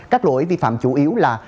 các lỗi vi phạm chủ yếu là